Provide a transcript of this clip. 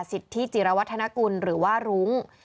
สิทธิจิรวัฒนกุลหรือว่ารุ้ง